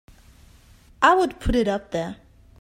I would put it up there!